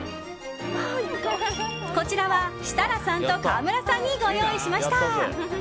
こちらは、スタジオの設楽さんと川村さんにご用意しました。